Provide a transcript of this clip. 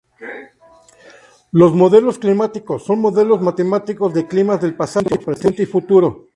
Los modelos climáticos son modelos matemáticos de climas del pasado, presente y futuro.